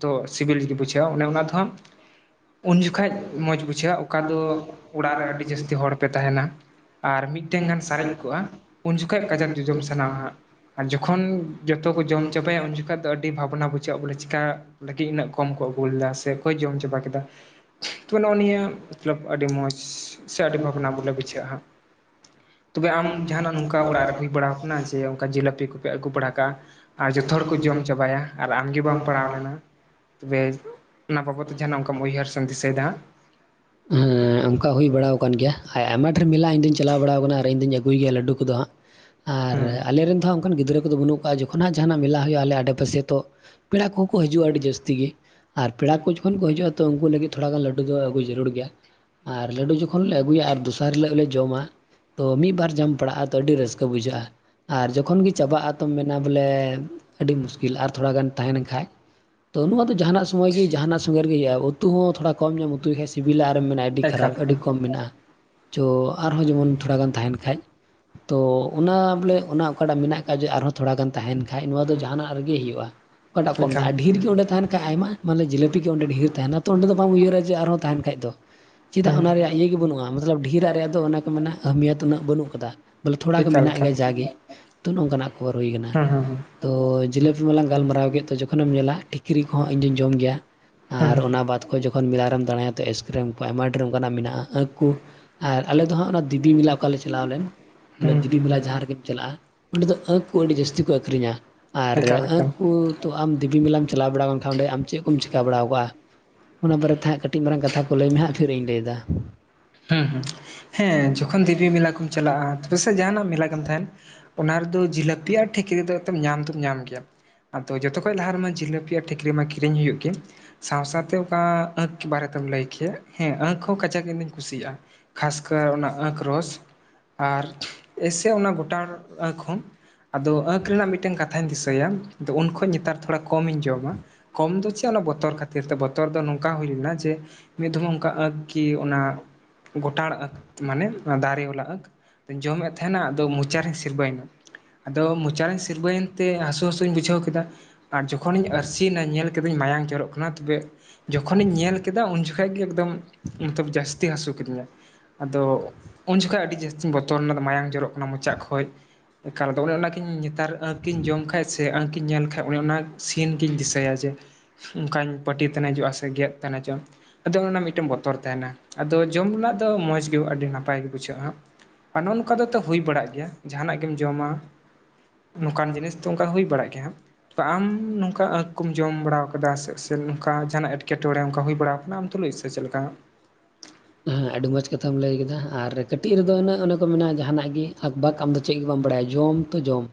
ᱫᱚ ᱥᱤᱵᱤᱞ ᱜᱤ ᱵᱩᱡᱷᱟᱹᱜ-ᱟ ᱚᱱᱮ ᱚᱱᱟ ᱫᱚ ᱦᱟᱸᱜ ᱩᱱ ᱡᱚᱠᱷᱟᱡ ᱢᱚᱸᱡᱽ ᱵᱩᱡᱷᱟᱹᱜᱼᱟ ᱚᱠᱟ ᱫᱚ ᱚᱲᱟᱜ ᱨᱮ ᱟᱹᱰᱤ ᱡᱟᱹᱥᱛᱤ ᱦᱚᱲ ᱯᱮ ᱛᱟᱦᱮᱸᱱᱟ, ᱟᱨ ᱢᱤᱫᱴᱮᱝ ᱜᱟᱱ ᱥᱟᱨᱮᱡ ᱠᱚᱜᱼᱟ, ᱩᱱ ᱡᱚᱠᱷᱚᱡ ᱠᱟᱡᱟᱠ ᱡᱚᱡᱚᱢ ᱥᱟᱱᱟᱣᱟ ᱦᱟᱸᱜ᱾ ᱟᱨ ᱡᱚᱠᱷᱚᱱ ᱡᱚᱛᱚ ᱠᱚ ᱡᱚᱢ ᱪᱟᱵᱟᱭᱟ ᱩᱱ ᱡᱚᱠᱷᱟᱡ ᱫᱚ ᱟᱹᱰᱤ ᱵᱷᱟᱵᱱᱟ ᱵᱩᱡᱷᱟᱹᱜᱼᱟ ᱵᱚᱞᱮ ᱪᱮᱠᱟ ᱞᱟᱹᱜᱤᱫ ᱤᱱᱟᱹᱜ ᱠᱚ ᱠᱚᱢ ᱠᱚ ᱟᱹᱜᱩ ᱞᱮᱫᱟ ᱥᱮ ᱚᱠᱚᱭ ᱡᱚᱢ ᱪᱟᱵᱟ ᱠᱮᱫᱟ᱾ ᱛᱚ ᱱᱚᱜᱼᱚ ᱱᱤᱭᱟᱹ ᱢᱟᱛᱞᱟᱵᱽ ᱟᱹᱰᱤ ᱢᱚᱸᱡᱽ ᱥᱮ ᱟᱹᱰᱤ ᱵᱷᱟᱵᱽᱱᱟ ᱵᱚᱞᱮ ᱵᱩᱡᱷᱟᱹᱜᱼᱟ ᱦᱟᱸᱜ᱾ ᱛᱚᱵᱮ ᱟᱢ ᱡᱟᱦᱟᱸᱱᱟᱜ ᱱᱚᱝᱠᱟ ᱚᱲᱟᱜ ᱨᱮ ᱦᱩᱭ ᱵᱟᱲᱟᱣ ᱠᱟᱱᱟ ᱡᱮ ᱚᱝ ᱠᱟ ᱡᱤᱞᱟᱯᱤ ᱠᱚᱯᱮ ᱟᱹᱜᱩ ᱵᱟᱲᱟ ᱠᱟᱜᱼᱟ, ᱟᱨ ᱡᱚᱛᱚ ᱦᱚᱲ ᱠᱚ ᱡᱚᱢ ᱪᱟᱵᱟᱭᱟ, ᱟᱨ ᱟᱢ ᱜᱮ ᱵᱟᱢ ᱯᱟᱲᱟᱣ ᱞᱮᱱᱟ? ᱛᱚᱵᱮ ᱚᱱᱟ ᱵᱟᱵᱚᱫ ᱛᱮ ᱡᱟᱦᱟᱸᱱᱟᱜ ᱚᱱᱠᱟᱢ ᱩᱭᱦᱟᱹᱨ ᱥᱮᱢ ᱫᱤᱥᱟᱹᱭᱫᱟ? ᱦᱮᱸ ᱚᱝᱠᱟ ᱦᱩᱭ ᱵᱟᱲᱟᱣ ᱠᱟᱱ ᱜᱮᱭᱟ, ᱟᱭ ᱟᱭᱢᱟ ᱰᱷᱮᱨ ᱢᱮᱞᱟ ᱤᱧ ᱫᱩᱧ ᱪᱟᱞᱟᱣ ᱵᱟᱲᱟᱣ ᱠᱟᱱᱟ ᱟᱨ ᱤᱧ ᱫᱩᱧ ᱟᱹᱜᱩᱭ ᱜᱮᱭᱟ ᱞᱟᱹᱰᱩ ᱠᱩᱫᱚ ᱦᱟᱸᱜ᱾ ᱟᱨ ᱦᱟᱸᱜ ᱟᱞᱮ ᱨᱮᱱ ᱫᱚ ᱦᱟᱸᱜ ᱚᱝᱠᱟᱱ ᱜᱤᱫᱽᱨᱟᱹ ᱠᱚᱫᱚ ᱵᱟᱹᱱᱩᱜ ᱠᱚᱣᱟ ᱡᱚᱠᱷᱚᱱ ᱦᱟᱸᱜ ᱡᱟᱦᱟᱸᱱᱟᱜ ᱢᱮᱞᱟ ᱦᱩᱭᱩᱜᱼᱟ ᱟᱞᱮ ᱟᱰᱮ ᱯᱟᱥᱮ ᱛᱚ ᱯᱮᱲᱟ ᱠᱚᱦᱚᱸ ᱠᱚ ᱦᱟᱹᱡᱩᱜᱼᱟ ᱟᱹᱰᱤ ᱡᱟᱹᱥᱛᱤ ᱜᱮ, ᱟᱨ ᱯᱮᱲᱟ ᱠᱚ ᱡᱚᱠᱷᱚᱱ ᱠᱚ ᱦᱟᱹᱡᱩᱜᱼᱟ ᱛᱚ ᱩᱱᱠᱩ ᱞᱟᱹᱜᱤᱫ ᱛᱷᱚᱲᱟ ᱜᱟᱱ ᱞᱟᱹᱰᱩ ᱫᱚ ᱟᱹᱜᱩ ᱡᱟᱹᱨᱩᱲ ᱜᱮᱭᱟ᱾ ᱟᱨ ᱞᱟᱹᱰᱩ ᱡᱚᱠᱷᱚᱱ ᱞᱮ ᱟᱹᱜᱩᱭᱟ ᱟᱨ ᱫᱚᱥᱟᱨ ᱦᱤᱞᱳᱜ ᱞᱮ ᱡᱚᱢᱟ, ᱛᱚ ᱢᱤᱫᱵᱟᱨ ᱡᱟᱢ ᱯᱟᱲᱟᱜᱼᱟ ᱛᱚ ᱟᱹᱰᱤ ᱨᱟᱹᱥᱠᱟᱹ ᱵᱩᱡᱷᱟᱹᱜᱼᱟ᱾ ᱟᱨ ᱡᱚᱠᱷᱚᱱ ᱜᱮ ᱪᱟᱵᱟᱜᱼᱟ ᱛᱚᱢ ᱢᱮᱱᱟ ᱵᱚᱞᱮ ᱟᱹᱰᱤ ᱢᱩᱥᱠᱤᱞ ᱟᱨ ᱛᱷᱚᱲᱟ ᱜᱟᱱ ᱛᱟᱦᱮᱸ ᱞᱮᱱᱠᱷᱟᱡ᱾ ᱛᱚ ᱱᱚᱶᱟ ᱫᱚ ᱡᱟᱦᱟᱸᱱᱟᱜ ᱥᱚᱢᱳᱭ ᱜᱮ ᱡᱟᱦᱟᱸᱱᱟᱜ ᱥᱚᱸᱜᱮ ᱨᱮᱜᱮ ᱦᱩᱭᱩᱜᱼᱟ, ᱩᱛᱩ ᱦᱚᱸ ᱛᱷᱚᱲᱟ ᱠᱚᱢ ᱧᱟᱢ ᱩᱛᱩᱭ ᱠᱷᱟᱡ ᱥᱤᱵᱤᱞᱟ ᱟᱨᱮᱢ ᱢᱮᱱᱟ ᱟᱹᱰᱤ ᱦᱩᱸ ᱮᱠᱟᱞ ᱠᱷᱟᱨᱟᱯ ᱟᱹᱰᱤ ᱠᱚᱢ ᱢᱮᱱᱟᱜᱼᱟ, ᱪᱚ ᱟᱨᱦᱚᱸ ᱡᱮᱢᱚᱱ ᱛᱷᱚᱲᱟ ᱜᱟᱱ ᱛᱟᱦᱮᱸᱱ ᱠᱷᱟᱡ ᱛᱚ ᱚᱱᱟ ᱵᱚᱞᱮ ᱚᱱᱟ ᱚᱠᱟ ᱴᱟᱜ ᱢᱮᱱᱟᱜ ᱟᱠᱟᱫ ᱡᱮ ᱟᱨᱦᱚᱸ ᱛᱷᱚᱲᱟ ᱜᱟᱱ ᱛᱟᱦᱮᱸᱱ ᱠᱷᱟᱡ ᱱᱚᱣᱟ ᱫᱚ ᱡᱟᱦᱟᱸᱱᱟᱜ ᱨᱮᱜᱮ ᱦᱩᱭᱩᱜᱼᱟ᱾ ᱚᱠᱟ ᱴᱟᱜ ᱠᱚᱢᱫᱟ, ᱮᱠᱟᱞ ᱟᱨ ᱰᱷᱤᱨ ᱜᱮ ᱚᱸᱰᱮ ᱛᱟᱦᱮᱸᱱ ᱠᱷᱟᱡ ᱟᱭᱢᱟ ᱢᱟᱱᱮ ᱡᱤᱠᱟᱹᱯᱤ ᱜᱮ ᱚᱸᱰᱮ ᱰᱷᱮᱨ ᱛᱟᱦᱮᱸᱱᱟ ᱛᱚ ᱚᱸᱰᱮ ᱫᱚ ᱵᱟᱝ ᱩᱭᱦᱟᱹᱨᱟ ᱡᱮ ᱟᱨᱦᱚᱸ ᱛᱟᱦᱮᱸᱱ ᱠᱷᱟᱡ ᱫᱚ ᱾ ᱪᱮᱫᱟᱜ ᱦᱩᱸ ᱚᱱᱟ ᱨᱮᱭᱟᱜ ᱤᱭᱟᱹ ᱜᱮ ᱵᱟᱹᱱᱩᱜᱼᱟ, ᱢᱟᱛᱞᱟᱵᱽ ᱰᱷᱮᱨᱟᱜ ᱨᱮ ᱟᱫᱚ ᱚᱱᱟ ᱠᱚ ᱢᱮᱱᱟ ᱮᱦᱮᱢᱤᱭᱟᱹᱛ ᱩᱱᱟᱹᱜ ᱵᱟᱹᱱᱩᱜ ᱠᱟᱫᱟ᱾ ᱵᱚᱞᱮ ᱛᱷᱚᱲᱟ ᱜᱮ ᱮᱠᱟᱞ ᱢᱮᱱᱟᱜ ᱮᱠᱟᱞ ᱜᱮᱭᱟ ᱡᱟᱜᱮ, ᱛᱚ ᱱᱚᱝᱠᱟᱱᱟᱜ ᱠᱷᱚᱵᱚᱨ ᱦᱩᱭ ᱠᱟᱱᱟ᱾ ᱦᱩᱸ ᱦᱩᱸ ᱛᱚ ᱡᱤᱞᱟᱹᱯᱤ ᱢᱟᱞᱟᱝ ᱜᱟᱞᱢᱟᱨᱟᱣ ᱠᱮᱫ ᱛᱚ ᱡᱚᱠᱷᱚᱱᱮᱢ ᱧᱮᱞᱟ ᱴᱷᱤᱠᱨᱤ ᱠᱚᱦᱚᱸ ᱤᱧ ᱫᱩᱧ ᱡᱚᱢ ᱜᱮᱭᱟ᱾ ᱟᱨ ᱦᱩᱸ ᱚᱱᱟ ᱵᱟᱫ ᱠᱷᱚᱡ ᱡᱚᱠᱷᱚᱱ ᱢᱮᱞᱟ ᱨᱮᱢ ᱫᱟᱬᱟᱭᱟ ᱛᱚ ᱮᱥᱠᱨᱮᱢ ᱠᱚ ᱟᱭᱢᱟ ᱰᱷᱮᱨ ᱚᱠᱟᱱᱟᱜ ᱢᱮᱱᱟᱜᱼᱟ, ᱟᱺᱠ ᱠᱩ ᱟᱨ ᱟᱞᱮ ᱫᱚ ᱦᱟᱸᱜ ᱚᱱᱟ ᱫᱮᱵᱤ ᱢᱮᱞᱟ ᱚᱠᱟ ᱞᱮ ᱪᱟᱞᱟᱣ ᱞᱮᱱ ᱵᱚᱞᱮ ᱫᱮᱵᱤ ᱦᱩᱸ ᱢᱮᱞᱟ ᱡᱟᱦᱟᱸ ᱨᱮᱜᱮᱢ ᱪᱟᱞᱟᱜᱼᱟ, ᱚᱸᱰᱮ ᱫᱚ ᱟᱺᱠ ᱠᱩ ᱟᱹᱰᱤ ᱡᱟᱹᱥᱛᱤ ᱠᱚ ᱟᱠᱷᱨᱤᱧᱟ, ᱟᱨ ᱮᱠᱟᱞ ᱟᱸᱠ ᱮᱠᱟᱞ ᱠᱩ ᱛᱚ ᱟᱢ ᱫᱮᱵᱤ ᱢᱮᱞᱟᱢ ᱪᱟᱞᱟᱣ ᱵᱟᱲᱟᱣ ᱠᱟᱢ ᱠᱷᱟᱱ ᱚᱸᱰᱮ ᱟᱢ ᱪᱮᱫ ᱠᱚᱢ ᱪᱤᱠᱟ ᱵᱟᱲᱟᱣ ᱠᱟᱜᱼᱟ᱾ ᱚᱱᱟ ᱵᱟᱨᱮ ᱛᱮᱦᱟᱸᱜ ᱠᱟᱹ ᱢᱟᱨᱟᱝ ᱠᱟᱛᱷᱟ ᱠᱚ ᱞᱟᱹᱭ ᱢᱮ ᱦᱟᱸᱜ ᱯᱷᱤᱨ ᱤᱧ ᱞᱟᱹᱭᱮᱫᱟ᱾ ᱦᱩᱸ ᱦᱩᱸ, ᱦᱮᱸ ᱡᱚᱠᱷᱚᱱ ᱫᱤᱵᱤ ᱢᱮᱞᱟ ᱠᱚᱢ ᱪᱟᱞᱟᱜᱼᱟ ᱛᱚᱵᱮ ᱥᱮᱜ ᱡᱟᱦᱟᱸᱱᱟᱜ ᱢᱮᱞᱟ ᱜᱮᱢ ᱛᱟᱦᱮᱸᱱ ᱚᱱᱟ ᱨᱮᱫᱚ ᱡᱷᱤᱞᱟᱹᱯᱤᱭᱟᱜ-ᱟ ᱴᱷᱤᱠ ᱨᱮᱫᱚ ᱮᱠᱛᱚ ᱧᱟᱢ ᱫᱚᱢ ᱧᱟᱢ ᱜᱮᱭᱟ᱾ ᱟᱫᱚ ᱡᱚᱛᱚᱠᱷᱚᱡ ᱞᱟᱦᱟ ᱨᱮᱢᱟ ᱡᱷᱤᱞᱟᱹᱯᱤᱭᱟᱜ ᱴᱷᱤᱠᱨᱤ ᱢᱟ ᱠᱤᱨᱤᱧ ᱦᱩᱭᱩᱜ ᱜᱮᱭᱟ ᱾ ᱥᱟᱶ-ᱥᱟᱶᱛᱮ ᱚᱠᱟ ᱟᱸᱠ ᱵᱟᱨᱮᱛᱮᱢ ᱞᱟᱹᱭ ᱠᱮᱭᱟ ᱦᱮᱸᱻ ᱟᱺᱠ ᱦᱚᱸ ᱠᱟᱡᱟᱠ ᱤᱱᱫᱚᱧ ᱠᱩᱥᱤᱭᱟᱜᱼᱟ᱾ ᱠᱷᱟᱥᱠᱟᱹᱨ ᱚᱱᱟ ᱟᱸᱠᱷᱨᱚᱥ ᱟᱨ ᱮᱥᱮ ᱚᱱᱟ ᱜᱚᱴᱟ ᱟᱺᱠ ᱦᱚᱸ ᱟᱫᱚ ᱟᱸᱠ ᱨᱮᱱᱟᱜ ᱢᱤᱫᱴᱮᱱ ᱠᱟᱛᱷᱟᱧ ᱫᱤᱥᱟᱹᱭᱟ ᱟᱫᱚ ᱩᱱᱠᱷᱚᱡ ᱱᱮᱛᱟᱨ ᱛᱷᱚᱲᱟ ᱠᱚᱢ ᱤᱧ ᱡᱚᱢᱟ᱾ ᱠᱚᱢ ᱫᱚ ᱪᱮᱫ ᱚᱱᱟ ᱵᱚᱛᱚᱨ ᱠᱷᱟᱹᱛᱤᱨ ᱛᱮ ᱵᱚᱛᱚᱨ ᱫᱚ ᱱᱚᱝᱠᱟ ᱦᱩᱭ ᱞᱮᱱᱟ ᱡᱮ ᱢᱤᱫ ᱫᱚᱢᱮ ᱚᱱᱠᱟ ᱟᱺᱠ ᱠᱤ ᱚᱱᱟ ᱜᱚᱴᱟᱲ ᱟᱠ ᱢᱟᱱᱮ ᱫᱟᱨᱮ ᱵᱟᱞᱟ ᱟᱸᱠ ᱧ ᱡᱚᱢᱮᱫ ᱛᱟᱦᱮᱱᱟ ᱟᱫᱚ ᱢᱚᱪᱟᱨᱮᱧ ᱥᱤᱨᱵᱟᱹᱭᱮᱱᱟ ᱟᱫᱚ ᱢᱚᱪᱟᱨᱮᱧ ᱥᱤᱨᱵᱟᱹᱭᱮᱱ ᱛᱮ ᱦᱟᱹᱥᱩᱼ ᱦᱟᱹᱥᱩᱧ ᱵᱩᱡᱷᱟᱹᱣ ᱠᱮᱫᱟ ᱟᱨ ᱡᱚᱠᱷᱚᱱᱤᱧ ᱟᱹᱨᱥᱤᱭᱱᱟ ᱧᱮᱞ ᱠᱮᱫᱟᱧ ᱢᱟᱭᱟᱝ ᱡᱚᱨᱚᱜ ᱠᱟᱱᱟ ᱛᱚᱵᱮ ᱡᱚᱠᱷᱚᱱᱤᱧ ᱧᱮᱞ ᱠᱮᱫᱟ ᱩᱱ ᱡᱚᱠᱷᱚᱱ ᱜᱮ ᱮᱠᱫᱚᱢ ᱢᱚᱛᱚᱵ ᱡᱟᱹᱥᱛᱤ ᱦᱟᱹᱥᱩ ᱠᱤᱫᱤᱧᱟ ᱟᱫᱚ ᱩᱱ ᱡᱚᱠᱷᱚᱡ ᱟᱹᱰᱤ ᱡᱟᱹᱥᱛᱤᱧ ᱵᱚᱛᱚᱨᱱᱟ ᱢᱟᱭᱟᱝ ᱡᱚᱨᱚᱜ ᱠᱟᱱᱟ ᱢᱚᱪᱟ ᱠᱷᱚᱡ ᱮᱠᱟᱨᱫᱚ ᱚᱱᱮ ᱚᱱᱟᱠᱤᱱ ᱱᱮᱛᱟᱨᱠ ᱠᱤᱱ ᱡᱚᱢ ᱠᱷᱟᱡ ᱥᱮ ᱥᱮ ᱟᱺᱠᱤᱧ ᱧᱮᱞ ᱞᱮᱠᱷᱟᱱ ᱚᱱᱮ ᱚᱱᱟ ᱥᱤᱱ ᱜᱤᱧ ᱫᱤᱥᱟᱹᱭᱟ ᱡᱮ ᱚᱱᱠᱟᱧ ᱯᱟᱹᱴᱤ ᱛᱮᱱᱮᱡᱚᱜᱼᱟ ᱥᱮ ᱜᱮᱫ ᱛᱮᱱᱮᱡᱚᱜᱼᱟ᱾ ᱟᱫᱚ ᱚᱱᱟ ᱨᱮᱱᱟᱜ ᱢᱤᱫᱴᱮᱱ ᱵᱚᱛᱚᱨ ᱛᱟᱦᱮᱱᱟ ᱟᱫᱚ ᱡᱚᱢ ᱨᱮᱱᱟᱜ ᱫᱚ ᱢᱚᱸᱡᱽ ᱜᱮ ᱟᱹᱰᱤ ᱱᱟᱯᱟᱭ ᱜᱮ ᱵᱩᱡᱷᱟᱹᱜᱼᱟ᱾ ᱱᱚᱜ-ᱱᱚᱝᱠᱟ ᱫᱚ ᱛᱚ ᱦᱩᱭ ᱵᱟᱲᱟᱜ ᱜᱮᱭᱟ ᱡᱟᱦᱟᱱᱟᱜ ᱜᱮᱢ ᱡᱚᱢᱟ ᱱᱚᱝᱠᱟᱱ ᱡᱤᱱᱤᱥ ᱛᱚ ᱚᱱᱠᱟ ᱦᱩᱭ ᱵᱟᱲᱟᱜ ᱜᱮᱭᱟ ᱦᱟᱸᱜ ᱛᱚ ᱟᱢ ᱱᱚᱝᱠᱟ ᱟᱺᱠ ᱠᱚᱢ ᱡᱚᱢ ᱵᱟᱲᱟ ᱟᱠᱟᱫᱟ ᱥᱮ ᱱᱚᱝᱠᱟ ᱡᱟᱦᱟᱱᱟᱜ ᱮᱴᱠᱮᱴᱚᱬᱮ ᱚᱱᱠᱟ ᱦᱩᱭ ᱵᱟᱲᱟᱟᱣ ᱟᱠᱟᱱᱟ ᱟᱢ ᱛᱩᱞᱩᱡ ᱞᱟᱹᱭ ᱥᱮ ᱪᱮᱫ ᱞᱮᱠᱟ? ᱦᱮᱸᱻ ᱟᱹᱰᱤ ᱢᱚᱸᱡᱽ ᱠᱟᱛᱷᱟᱢ ᱞᱟᱹᱭ ᱠᱮᱫᱟ ᱟᱨ ᱠᱟᱹᱴᱤᱡ ᱨᱮᱫᱚ ᱩᱱᱟᱹᱜ ᱚᱱᱮ ᱠᱚ ᱢᱮᱱᱟ ᱡᱟᱦᱟᱱᱟᱜ ᱜᱮ ᱟᱠ ᱵᱟᱠ ᱟᱢ ᱫᱚ ᱪᱮᱫ ᱜᱮ ᱵᱟᱢ ᱵᱟᱲᱟᱭᱟ ᱵᱟᱲᱟᱭᱟ ᱡᱚᱢ ᱛᱚ ᱡᱚᱢ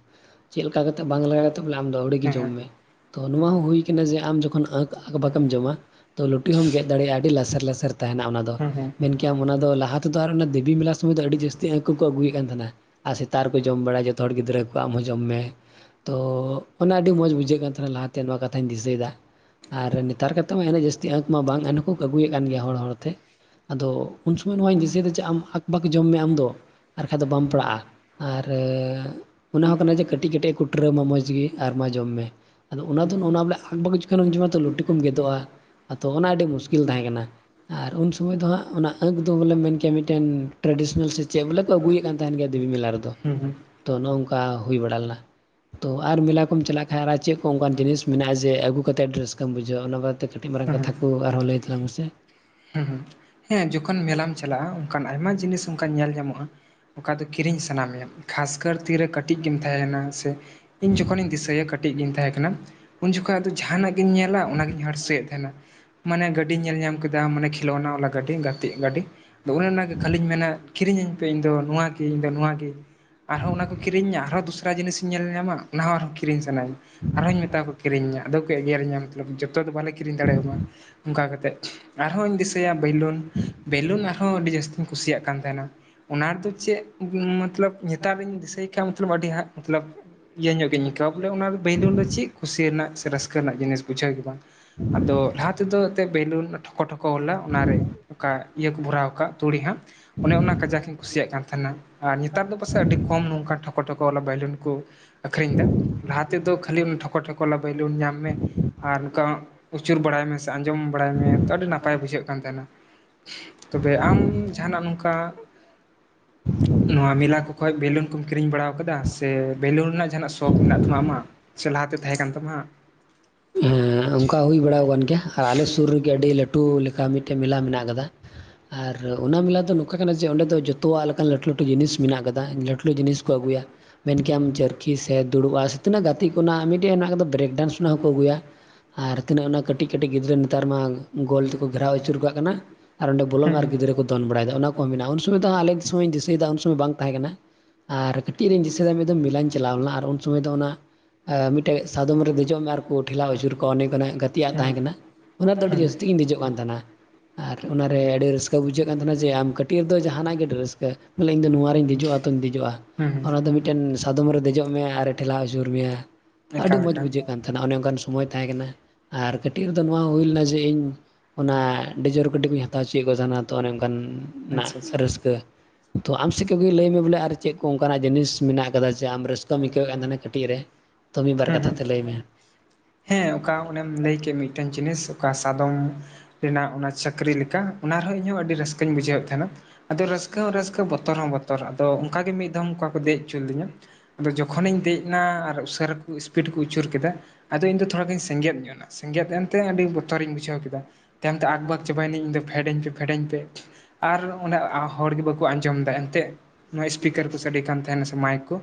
ᱪᱮᱫ ᱞᱮᱠᱟ ᱠᱟᱛᱮ ᱵᱟᱝ ᱞᱟᱜᱟᱣ ᱠᱟᱛᱮ ᱵᱚᱞᱮ ᱟᱢ ᱫᱚ ᱟᱹᱣᱲᱤᱜ ᱜᱮ ᱦᱮᱸ ᱡᱚᱢ ᱦᱮᱸ ᱢᱮ ᱛᱚ ᱱᱚᱣᱟ ᱦᱚᱸ ᱦᱩᱭ ᱟᱠᱟᱱᱟ ᱡᱮ ᱟᱢ ᱡᱚᱠᱷᱚᱱ ᱟᱺᱠ ᱵᱟᱢ ᱡᱚᱢᱟ ᱛᱚ ᱞᱩᱴᱤ ᱦᱚᱸᱢ ᱜᱮᱫ ᱫᱟᱲᱮᱭᱟᱜᱼᱟ ᱟᱹᱰᱤ ᱞᱟᱥᱮᱨ-ᱞᱟᱥᱮᱨ ᱛᱟᱦᱮᱱᱟ ᱚᱱᱟ ᱫᱚ ᱦᱮᱸ ᱢᱮᱱ ᱚᱱᱟ ᱫᱚ ᱛᱟᱦᱟ ᱛᱮᱫᱚ ᱟᱨ ᱚᱱᱟ ᱫᱮᱵᱤ ᱢᱮᱞᱟ ᱥᱚᱢᱚᱭ ᱫᱚ ᱟᱹᱰᱤ ᱡᱟᱹᱥᱛᱤ ᱟᱺᱠ ᱠᱚ ᱟᱹᱜᱩᱭᱮᱫ ᱠᱟᱱ ᱛᱟᱦᱮᱱᱟ᱾ ᱟᱨ ᱥᱮᱛᱟᱜ ᱨᱮᱠᱚ ᱡᱚᱢ ᱵᱟᱲᱟᱭᱟ ᱡᱚᱛᱚ ᱦᱚᱲ ᱜᱤᱫᱽᱨᱟᱹ ᱠᱚ ᱟᱢ ᱦᱚᱸ ᱡᱚᱢ ᱢᱮ ᱛᱚ ᱚᱱᱟ ᱟᱹᱰᱤ ᱢᱚᱸᱡᱽ ᱵᱩᱡᱷᱟᱹᱜ ᱠᱟᱱ ᱛᱟᱦᱮᱱᱟ ᱞᱟᱦᱟᱛᱮ ᱱᱚᱣᱟ ᱠᱟᱛᱷᱟᱧ ᱫᱤᱥᱟᱹᱭᱮᱫᱟ᱾ ᱟᱨ ᱱᱮᱛᱟᱨ ᱠᱟᱛᱮᱫ ᱢᱟ ᱮᱱᱮᱡ ᱡᱟᱹᱥᱛᱤ ᱟᱺᱠ ᱢᱟ ᱵᱟᱝ ᱮᱱᱦᱚ ᱠᱚ ᱟᱹᱜᱩᱭᱮᱫ ᱠᱟᱱ ᱜᱮᱭᱟ ᱦᱚᱲ ᱦᱚᱲᱛᱮ ᱟᱫᱚ ᱩᱱ ᱥᱚᱢᱚᱭ ᱱᱚᱣᱟᱧ ᱫᱤᱥᱟᱹᱭᱟ ᱡᱮ ᱟᱢ ᱟᱠ-ᱵᱟᱠ ᱡᱚᱢ ᱢᱮ ᱟᱢ ᱫᱚ ᱟᱨ ᱵᱟᱠᱷᱟᱡ ᱫᱚ ᱵᱟᱢ ᱯᱟᱲᱟᱜᱼᱟ᱾ ᱟᱨ ᱚᱱᱟ ᱦᱚᱸ ᱠᱟᱱᱟ ᱡᱮ ᱠᱟᱹᱴᱤᱡ-ᱠᱟ. ᱴᱤᱡ ᱮ ᱠᱚᱴᱨᱟᱹᱣᱢᱟ ᱢᱚᱸᱡᱽ ᱜᱮ ᱟᱨ ᱢᱟ ᱡᱚᱢ ᱢᱮ ᱟᱫᱚ ᱚᱱᱟ ᱫᱚ ᱚᱱᱟ ᱵᱚᱞᱮ ᱟᱠ- ᱵᱟᱠ ᱡᱚᱠᱷᱚᱱᱮᱢ ᱡᱚᱢᱟ ᱛᱚ ᱞᱩᱴᱤ ᱠᱚᱢ ᱜᱮᱫᱚᱜᱼᱟ᱾ ᱟᱫᱚ ᱚᱱᱟ ᱟᱹᱰᱤ ᱢᱩᱥᱠᱤᱞ ᱛᱟᱦᱮᱸᱠᱟᱱᱟ ᱟᱨ ᱩᱱ ᱥᱚᱢᱚᱭ ᱫᱚ ᱦᱟᱸᱜ ᱚᱱᱟ ᱟᱺᱠ ᱫᱚ ᱵᱚᱞᱮ ᱢᱮᱱ ᱠᱮᱭᱟ ᱢᱤᱫᱴᱮᱱ ᱴᱨᱟᱰᱤᱥᱚᱱᱟᱞ ᱥᱮ ᱪᱮᱫ ᱵᱚᱞᱮ ᱠᱚ ᱟᱹᱜᱩᱭᱮᱫ ᱠᱟᱱ ᱛᱟᱦᱮᱱ ᱜᱮᱭᱟ ᱫᱮᱵᱤ ᱢᱮᱞᱟ ᱨᱮᱫᱚ ᱦᱩᱸ-ᱦᱩᱸ ᱛᱚ ᱱᱚᱜᱼ ᱱᱚᱝᱠᱟ ᱦᱩᱭ ᱵᱟᱲᱟ ᱞᱮᱱᱟ᱾ ᱛᱚ ᱟᱨ ᱢᱮᱞᱟ ᱠᱚᱢ ᱪᱟᱞᱟᱜ ᱠᱷᱟᱱ ᱟᱨ ᱪᱮᱫ ᱠᱚ ᱚᱱᱠᱟᱱ ᱡᱤᱱᱤᱥ ᱢᱮᱱᱟᱜᱼᱟ ᱡᱮ ᱟᱹᱜᱩ ᱠᱟᱛᱮᱫ ᱟᱹᱰᱤ ᱨᱟᱹᱥᱠᱟᱹᱢ ᱵᱩᱡᱷᱟᱹᱣᱟ ᱚᱱᱟ ᱵᱟᱫ ᱠᱟᱹᱴᱤᱡ ᱢᱟᱨᱟᱝ ᱠᱟᱛᱷᱟ ᱠᱚ ᱟᱨᱦᱚᱸ ᱞᱟᱹᱭ ᱛᱟᱞᱟᱝ ᱢᱮ ᱥᱮ ᱦᱩᱸ-ᱦᱩᱸ ᱦᱮᱸᱻ ᱡᱚᱠᱷᱚᱱ ᱢᱮᱞᱟᱢ ᱪᱟᱞᱟᱜᱼᱟ ᱚᱱᱠᱟᱱ ᱟᱭᱢᱟ ᱡᱤᱱᱤᱥ ᱚᱱᱠᱟ ᱧᱮᱞ ᱧᱟᱢᱚᱜᱼᱟ᱾ ᱚᱠᱟ ᱫᱚ ᱠᱤᱨᱤᱧ ᱥᱟᱱᱟ ᱢᱮᱭᱟ ᱠᱷᱟᱥᱠᱟ. ᱨ ᱛᱤᱨᱮ ᱠᱟᱹᱴᱤᱡ ᱜᱮᱢ ᱛᱟᱦᱮᱱᱟ ᱥᱮ ᱤᱧ ᱡᱚᱠᱷᱚᱱᱤᱧ ᱫᱤᱥᱟᱹᱭᱟ ᱠᱟᱹᱴᱤᱡ ᱜᱤᱧ ᱛᱟᱦᱮᱸ ᱠᱟᱱᱟ᱾ ᱩᱱ ᱡᱚᱠᱷᱚᱡ ᱫᱚ ᱡᱟᱸᱦᱟᱱᱟᱜ ᱜᱤᱧ ᱧᱮᱞᱟ ᱚᱱᱟᱜᱤᱧ ᱦᱟᱹᱨᱥᱟᱹᱭᱮᱫ ᱛᱟᱦᱮᱱᱟ ᱢᱟᱱᱮ ᱜᱟᱹᱰᱤ ᱧᱮᱞ ᱧᱟᱢ ᱠᱟᱛᱮ ᱫᱟ ᱢᱟᱱᱮ ᱠᱷᱤᱞᱳᱱᱟ ᱵᱟᱞᱟ ᱜᱟᱹᱰᱤ ᱜᱟᱛᱮᱜ ᱜᱟᱹᱰᱤ ᱟᱫᱚ ᱚᱱᱮ ᱚᱱᱟᱜᱮ ᱠᱷᱟᱹᱞᱤᱧ ᱢᱮᱱᱟ ᱠᱤᱨᱤᱧᱟᱹᱧ ᱯᱮ ᱤᱧᱫᱚ ᱱᱚᱣᱟᱜᱮ- ᱤᱧᱫᱚ ᱱᱚᱣᱟᱜᱮ ᱟᱨᱦᱚᱸ ᱚᱱᱟ ᱠᱚ ᱠᱤᱨᱤᱧᱤᱧᱟ ᱟᱨᱦᱚᱸ ᱫᱚᱥᱨᱟ ᱡᱤᱱᱤᱥᱤᱧ ᱧᱮᱞ ᱧᱟᱢᱟ ᱚᱱᱟ ᱦᱚᱸ ᱟᱨᱦᱚᱸ ᱠᱤᱨᱤᱧ ᱥᱟᱱᱟᱤᱧ ᱟᱨᱦᱚᱸᱧ ᱢᱮᱛᱟ ᱠᱚ ᱠᱤᱨᱤᱧᱤᱧᱟ ᱟᱫᱚ ᱠᱚ ᱮᱜᱮᱨᱤᱧᱟ ᱢᱚᱛᱞᱚᱵ ᱡᱚᱛᱚ ᱫᱚ ᱵᱟᱞᱮ ᱠᱤᱨᱤᱧ ᱫᱟᱲᱮᱣᱟᱢᱟ᱾ ᱚᱱᱠᱟ ᱠᱟᱛᱮᱫ ᱟᱨᱦᱚᱧ ᱫᱤᱥᱟᱹᱭᱟ ᱵᱮᱞᱩᱱ ᱵᱮᱞᱩᱱ ᱟᱨᱦᱚᱸ ᱟᱹᱰᱤ ᱡᱟᱹᱥᱛᱤᱧ ᱠᱩᱥᱤᱭᱟᱜ ᱠᱟᱱ ᱛᱟᱦᱮᱱᱟ ᱾ ᱚᱱᱟ ᱫᱚ ᱪᱮᱫ ᱢᱚᱛᱞᱚᱵᱽ ᱱᱮᱛᱟᱨᱤᱧ ᱫᱤᱥᱟᱹᱭ ᱮᱴᱟᱜ [unintelligible] ᱟᱹᱰᱤ ᱦᱟᱜ ᱢᱚᱛᱞᱚᱵᱽ ᱤᱭᱟᱹ ᱧᱚᱜ ᱜᱮᱧ ᱟᱹᱭᱠᱟᱹᱣ-ᱟ ᱵᱚᱞᱮ ᱚᱱᱟ ᱵᱮᱭᱞᱩᱱ ᱨᱮ ᱪᱮᱫ ᱠᱩᱥᱤ ᱨᱮᱱᱟᱜ ᱥᱮ ᱨᱟᱹᱥᱠᱟᱹ ᱨᱮᱱᱟᱜ ᱡᱤᱱᱤᱥ ᱵᱩᱡᱷᱟᱹᱣ ᱜᱮ ᱵᱟᱝ ᱾ ᱟᱫᱚ ᱞᱟᱦᱟ ᱛᱮᱫᱚ ᱮᱱᱛᱮ ᱵᱮᱞᱩᱱ ᱴᱷᱚᱠᱚ ᱴᱷᱚᱠᱚ ᱵᱟᱞᱟ ᱚᱱᱟᱨᱮ ᱚᱱᱠᱟ ᱤᱭᱟᱹ ᱠᱚ ᱵᱷᱚᱨᱟᱣ ᱠᱟᱜᱼᱼ ᱛᱩᱲᱤ ᱦᱟᱸᱜ ᱚᱱᱮ ᱚᱱᱟ ᱠᱟᱡᱟᱠᱤᱧ ᱠᱩᱥᱤᱭᱟᱜ ᱠᱟᱱ ᱛᱟᱦᱮᱱᱟ ᱟᱨ ᱱᱮᱛᱟᱨ ᱫᱚ ᱯᱟᱥᱮᱫ ᱟᱹᱰᱤ ᱠᱚᱢ ᱱᱚᱝᱠᱟ ᱴᱷᱚᱠᱚ ᱴᱷᱚᱠᱚ ᱣᱟᱞᱟ ᱵᱮᱞᱩᱱ ᱠᱚᱼᱼ ᱟᱠᱷᱨᱤᱧ ᱫᱟ ᱞᱟᱦᱟ ᱛᱮᱫᱚ ᱠᱷᱟᱹᱞᱤ ᱴᱷᱚᱠᱚ ᱴᱷᱚᱠᱚ ᱵᱟᱞᱟ ᱵᱮᱞᱩᱱ ᱧᱟᱢ ᱢᱮ ᱾ ᱟᱨ ᱱᱚᱝᱠᱟ ᱩᱪᱩᱨ ᱵᱟᱲᱟᱭ ᱢᱮ ᱥᱮ ᱟᱸᱡᱚᱢ ᱵᱟᱲᱟᱭ ᱢᱮ ᱾ ᱛᱚ ᱟᱹᱰᱤ ᱱᱟᱯᱟᱭ ᱵᱩᱡᱷᱟᱹᱜ ᱠᱟᱱ ᱛᱟᱦᱮᱱᱟ ᱾ ᱛᱚᱵᱮ ᱟᱢ ᱡᱟᱦᱟᱱᱟᱜ ᱱᱚᱝᱠᱟ [inaudible] ᱱᱚᱣᱟ ᱢᱮᱞᱟ ᱠᱚ ᱠᱷᱚᱱ ᱵᱮᱞᱩᱱ ᱠᱚᱢ ᱠᱤᱨᱤᱧ ᱵᱟᱲᱟ ᱟᱠᱟᱫᱟ, ᱥᱮ ᱵᱮᱞᱩᱱ ᱨᱮᱱᱟᱜ ᱡᱟᱦᱟᱱᱟᱜ ᱥᱚᱠ ᱢᱮᱱᱟᱜ ᱛᱟᱢᱟ ᱟᱢᱟᱜ? ᱪᱮ ᱞᱟᱦᱟᱛᱮ ᱛᱟᱦᱮᱸ ᱠᱟᱱ ᱛᱟᱢᱟ? ᱦᱮᱸ ᱚᱱᱠᱟ ᱦᱩᱭ ᱵᱟᱲᱟ ᱟᱠᱟᱱ ᱜᱮᱭᱟ ᱟᱨ ᱟᱞᱮ ᱥᱩᱨ ᱨᱮᱜᱮ ᱟᱹᱰᱤ ᱞᱟᱹᱴᱩ ᱞᱮᱠᱟ ᱢᱤᱫᱴᱮᱡ ᱢᱮᱞᱟ ᱢᱮᱱᱟᱜ ᱠᱟᱫᱟ ᱾ ᱟᱨ ᱚᱱᱟ ᱢᱮᱞᱟ ᱫᱚ ᱱᱚᱝᱠᱟ ᱠᱟᱱᱟ ᱡᱮ ᱚᱸᱰᱮ ᱫᱚ ᱡᱚᱛᱚᱣᱟᱜ ᱞᱮᱠᱟᱱ ᱞᱟᱹᱴᱩ ᱞᱟᱹᱴᱩ ᱡᱤᱱᱤᱥ ᱢᱮᱱᱟᱜ ᱠᱟᱫᱟ, ᱞᱟᱹᱴᱩ ᱞᱟᱹᱴᱩ ᱡᱤᱱᱤᱥ ᱠᱚ ᱟᱹᱜᱩᱭᱟ ᱾ ᱢᱮᱱᱠᱮᱭᱟᱢ ᱪᱟᱹᱨᱠᱷᱤ ᱥᱮ ᱫᱩᱲᱩᱵᱼᱟ ᱥᱮ ᱛᱤᱱᱟᱹᱜ ᱜᱟᱛᱮ ᱠᱚ ᱱᱟᱜ ᱢᱤᱫᱴᱮᱡ ᱢᱮᱱᱟᱜ ᱠᱟᱫᱟ ᱵᱨᱮᱠ ᱰᱟᱱᱥ ᱨᱮᱱᱟᱜ ᱦᱚᱸ ᱠᱚ ᱟᱹᱜᱩᱭᱟ ᱾ ᱟᱨ ᱛᱤᱱᱟᱹᱜ ᱚᱱᱟ ᱠᱟᱹᱴᱤᱡ ᱠᱟᱹᱴᱤᱡ ᱜᱤᱫᱽᱨᱟᱹ ᱱᱮᱛᱟᱨ ᱢᱟ ᱜᱳᱞ ᱛᱮᱠᱚ ᱜᱷᱮᱨᱟᱣ ᱟᱹᱪᱩᱨ ᱠᱟᱜ ᱠᱟᱱᱟ ᱾ ᱟᱨ ᱚᱸᱰᱮ ᱵᱚᱞᱚᱜ ᱢᱮ ᱦᱟᱸᱜ ᱟᱨ ᱜᱤᱫᱽᱨᱟ‌. ᱠᱚᱼᱼ ᱫᱚᱱ ᱵᱟᱲᱟᱭᱫᱟ ᱚᱱᱟ ᱠᱚᱦᱚᱸ ᱢᱮᱱᱟᱜᱼᱟ, ᱩᱱ ᱥᱚᱢᱚᱭ ᱫᱚ ᱟᱞᱮ ᱫᱤᱥᱚᱢ ᱤᱧ ᱫᱤᱥᱟᱹᱭ ᱫᱟ ᱩᱱ ᱥᱚᱢᱚᱭ ᱵᱟᱝ ᱛᱟᱦᱮᱸ ᱠᱟᱱᱟ ᱾ ᱟᱨ ᱛᱤᱨᱤᱧ ᱫᱤᱥᱟᱹ ᱫᱟ ᱢᱤᱫ ᱫᱚᱢ ᱢᱮᱞᱟᱧ ᱪᱟᱞᱟᱣ ᱞᱮᱱᱟ ᱟᱨ ᱩᱱ ᱥᱚᱢᱚᱭ ᱫᱚ ᱚᱱᱟᱼᱼ ᱮ ᱢᱤᱫᱴᱮᱡ ᱥᱟᱫᱚᱢ ᱨᱮ ᱫᱮᱡᱚᱜ ᱢᱮ ᱟᱨᱠᱩ ᱴᱷᱮᱞᱟᱣ ᱟᱹᱪᱩᱨ ᱠᱚᱣᱟ ᱚᱱᱮ ᱚᱱᱠᱟᱱᱟᱜ ᱜᱟᱛᱮ ᱟᱜ ᱛᱟᱦᱮᱸ ᱠᱟᱱᱟ ᱚᱱᱟ ᱫᱚ ᱟᱹᱰᱤ ᱡᱟᱹᱥᱛᱤ ᱜᱤᱧ ᱫᱮᱡᱚᱜ ᱠᱟᱱ ᱛᱟᱦᱮᱱᱟ ᱾ ᱟᱨ ᱚᱱᱟᱨᱮ ᱟᱹᱰᱤ ᱨᱟᱹᱥᱠᱟᱹ ᱵᱩᱡᱷᱟᱹᱜ ᱠᱟᱱ ᱛᱟᱦᱮᱱᱟ ᱡᱮ ᱟᱢ ᱠᱟᱹᱴᱤᱡ ᱨᱮᱫᱚ ᱡᱟᱦᱟᱱᱟᱜ ᱜᱮ ᱟᱹᱰᱤ ᱨᱟᱹᱥᱠᱟᱹ ᱾ ᱵᱚᱞᱮ ᱤᱧ ᱫᱚ ᱱᱚᱣᱟᱨᱤᱧ ᱫᱮᱡᱚᱜᱼᱟ ᱛᱚᱧ ᱫᱮᱡᱚᱜᱼᱟ ᱾ ᱦᱩᱸ ᱦᱩᱸ ᱚᱱᱟ ᱫᱚ ᱢᱤᱫᱴᱮᱱ ᱥᱟᱫᱚᱢ ᱨᱮ ᱫᱮᱡᱚᱜ ᱢᱮ ᱟᱨᱮ ᱴᱷᱮᱞᱟᱣ ᱟᱹᱪᱩᱨ ᱢᱮᱭᱟ ᱾ ᱟᱹᱰᱤ ᱮᱠᱟᱞ ᱢᱚᱡᱽ ᱮᱠᱟᱞ ᱵᱩᱡᱷᱟᱹᱜ ᱠᱟᱱ ᱛᱟᱦᱮᱱᱟ ᱚᱱᱮ ᱚᱱᱠᱟᱱ ᱥᱚᱢᱚᱭ ᱛᱟᱦᱮᱸ ᱠᱟᱱᱟ ᱾ ᱟᱨ ᱠᱟᱹᱴᱤᱡ ᱨᱮᱫᱚ ᱱᱚᱣᱟ ᱦᱩᱭ ᱞᱮᱱᱟ ᱡᱮ ᱤᱧ ᱚᱱᱟ ᱰᱤᱡᱚᱨ ᱠᱟᱴᱤᱱ ᱤᱧ ᱦᱟᱛᱟᱣ ᱪᱚᱼᱼ ᱪᱮᱫ ᱠᱚ ᱥᱟᱱᱟ ᱛᱚ ᱚᱱᱮ ᱚᱱᱠᱟ ᱱᱟᱜ ᱟᱪᱪᱷᱟ ᱟᱪᱪᱷᱟ ᱨᱟᱹᱥᱠᱟᱹ ᱾ ᱛᱚ ᱟᱢ ᱥᱮᱫ ᱠᱚᱜᱮ ᱞᱟᱹᱭ ᱢᱮ ᱵᱚᱞᱮ ᱟᱨ ᱪᱮᱫ ᱠᱚ ᱚᱱᱠᱟᱱᱟᱜ ᱡᱤᱱᱤᱥ ᱢᱮᱱᱟᱜ ᱠᱟᱫᱟ ᱡᱮ ᱟᱢ ᱨᱟᱹᱥᱠᱟᱹᱢ ᱟᱹᱭᱠᱟᱹᱣᱮᱫ ᱛᱟᱦᱮᱱᱟ ᱠᱟᱹᱴᱤᱡ ᱨᱮ ᱾ ᱛᱚ ᱢᱤᱫ ᱵᱟᱨ ᱦᱩᱸ ᱠᱟᱛᱷᱟ ᱦᱩᱸ ᱛᱮ ᱞᱟᱹᱭ ᱢᱮ ᱾ ᱦᱮᱸ ᱚᱠᱟ ᱚᱱᱮᱢ ᱞᱟᱹᱭ ᱠᱮᱫ ᱢᱤᱫᱴᱮᱱ ᱡᱤᱱᱤᱥ ᱚᱠᱟ ᱥᱟᱫᱚᱢ ᱨᱮᱱᱟᱜ ᱚᱱᱟ ᱪᱟᱹᱠᱨᱤ ᱞᱮᱠᱟ ᱚᱱᱟ ᱨᱮᱦᱚᱸ ᱤᱧ ᱦᱚᱸ ᱟᱹᱰᱤ ᱨᱟᱹᱥᱠᱟᱹᱧ ᱵᱩᱡᱷᱟᱹᱣᱮᱫ ᱛᱟᱦᱮᱦᱱᱟ ᱟᱫᱚ ᱨᱟᱹᱥᱠᱟᱹ ᱦᱚᱸ ᱨᱟᱹᱥᱠᱟᱹ ᱵᱚᱛᱚᱨ ᱦᱚᱸ ᱵᱚᱛᱼᱼ ᱵᱚᱛᱚᱨ ᱟᱫᱚ ᱚᱱᱠᱟ ᱜᱮ ᱢᱤᱫ ᱫᱷᱟᱢ ᱠᱟ ᱠᱚ ᱫᱮᱡ ᱚᱪᱚ ᱞᱤᱫᱤᱧᱟ ᱟᱫᱚ ᱡᱚᱠᱷᱚᱱᱤᱧ ᱫᱮᱡ ᱱᱟ ᱟᱨ ᱩᱥᱟᱹᱨᱟ ᱠᱩ ᱥᱯᱤᱰ ᱠᱚ ᱩᱪᱩᱹᱨ ᱠᱮᱫᱟ ᱟᱫᱚ ᱤᱧ ᱫᱚ ᱛᱷᱚᱲᱟ ᱜᱤᱧ ᱥᱮᱸᱜᱮᱫ ᱧᱚᱜ ᱮᱱᱟ, ᱥᱮᱸᱜᱮᱫ ᱮᱱᱛᱮ ᱟᱹᱰᱤ ᱵᱚᱛᱚᱨᱤᱧ ᱵᱩᱡᱷᱟᱹᱣ ᱠᱮᱫᱟ ᱾ ᱛᱟᱭᱚᱢᱛᱮ ᱟᱠᱵᱟᱠ ᱪᱟᱵᱟᱭᱱᱟᱹᱧ ᱤᱧᱫᱚ ᱯᱷᱮᱰᱤᱧ ᱯᱮ ᱯᱷᱮᱰᱤᱧ ᱯᱮᱼᱼ ᱟᱨ ᱚᱱᱮ ᱦᱚᱲᱜᱮ ᱵᱟᱠᱚ ᱟᱸᱡᱚᱢ ᱮᱴᱫᱟ ᱮᱱᱛᱮᱫ ᱾ ᱱᱚᱣᱟ ᱥᱯᱤᱠᱟᱨ ᱠᱚ ᱥᱟᱰᱮ ᱠᱟᱱ ᱛᱟᱦᱮᱱᱟ ᱥᱮ ᱢᱟᱭᱤᱠ ᱠᱚᱼᱼ